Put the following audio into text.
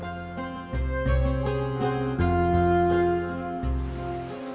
dia berpikir bahwa dia sudah berhasil mencuri